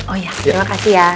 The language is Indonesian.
oh ya terima kasih ya